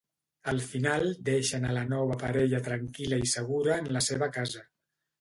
Al final deixen a la nova parella tranquil·la i segura en la seva casa.